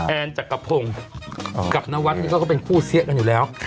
จักรพงศ์กับนวัดนี่เขาก็เป็นคู่เสี้ยกันอยู่แล้ว